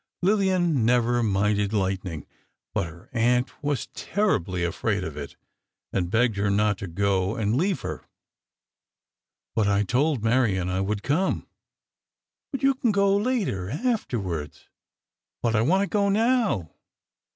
Lillian never minded lightning, but her aunt was terribly afraid of it and begged her not to go and leave her. "But I told Marion I would come!" "But you can go later—afterwards." "But I want to go now."